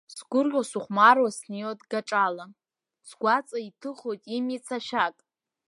Сгәырӷьо-сыхәмаруа снеиуеит гаҿала, сгәаҵа иҭыхоит имиц ашәак.